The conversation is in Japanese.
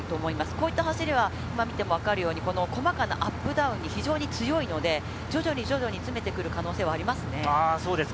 こういった走りは今見ても分かるように、細かなアップダウンに非常に強いので、徐々に詰めてくる可能性はありますね。